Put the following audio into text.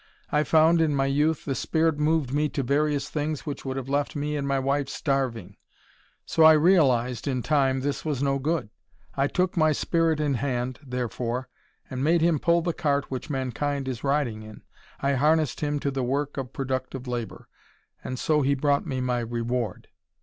I found, in my youth, the spirit moved me to various things which would have left me and my wife starving. So I realised in time, this was no good. I took my spirit in hand, therefore, and made him pull the cart which mankind is riding in. I harnessed him to the work of productive labour. And so he brought me my reward."